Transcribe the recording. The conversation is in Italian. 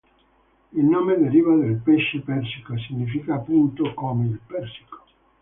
Il nome deriva dal pesce Persico, e significa appunto "Come il Persico".